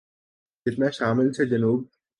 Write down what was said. جتنا شمال سے جنوب۔